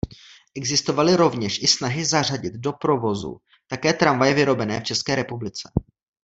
Existovaly rovněž i snahy zařadit do provozu také tramvaje vyrobené v České republice.